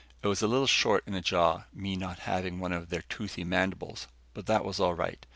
It was a little short in the jaw, me not having one of their toothy mandibles, but that was all right.